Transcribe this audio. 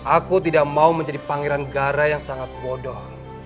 aku tidak mau menjadi pangeran gara yang sangat bodoh